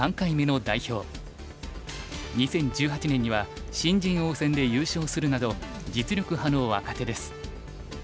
２０１８年には新人王戦で優勝するなど実力派の若手です。